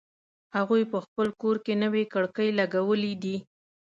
هغوی په خپل کور کی نوې کړکۍ لګولې دي